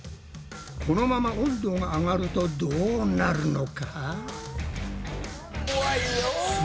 このまま温度が上がるとどうなるのか？